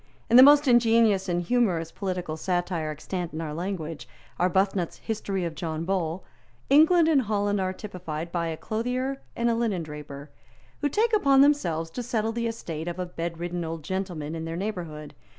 In the most ingenious and humorous political satire extant in our language, Arbuthnot's History of John Bull, England and Holland are typified by a clothier and a linendraper, who take upon themselves to settle the estate of a bedridden old gentleman in their neighbourhood.